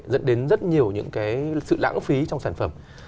dẫn đến rất nhiều những cái sự lãng phí trong sản phẩm